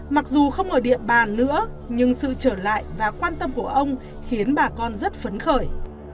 mặc dù không ở địa bàn nữa nhưng sự trở lại và quan tâm của ông khiến bà con rất phấn khởi